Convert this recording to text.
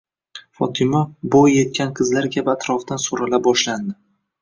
Fotima bo'y yetgan qizlar kabi atrofdan so'rala boshlandi.